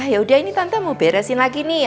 yaudah ini tante mau beresin lagi nih